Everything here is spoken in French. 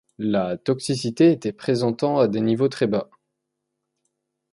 La toxicité était présentent à des niveaux très bas.